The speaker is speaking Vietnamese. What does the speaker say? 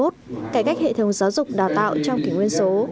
cải cách hệ thống giáo dục đào tạo trong kỷ nguyên số